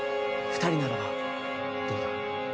二人ならばどうだ？